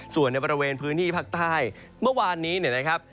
ส่วนในบริเวณพื้นที่ภาคใต้เมื่อวานนี้เนี่ยนะครับ